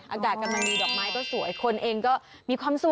อากาศกำลังมีดอกไม้ก็สวยคนเองก็มีความสุข